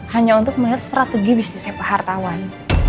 hanya untuk melihat strategi bisnisnya pak hartawan